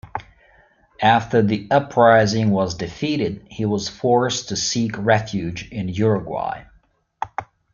After the uprising was defeated, he was forced to seek refuge in Uruguay.